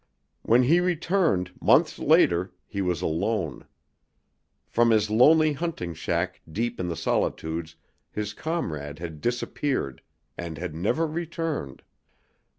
When he returned, months later, he was alone. From his lonely hunting shack deep in the solitudes his comrade had disappeared, and had never returned.